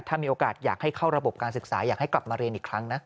ถ้ามีโอกาสอยากให้เข้าระบบการศึกษาอยากให้กลับมาเรียนอีกครั้งนะ